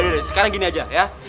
ya udah sekarang gini aja